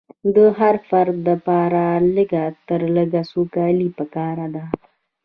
د هر فرد لپاره لږ تر لږه سوکالي پکار ده.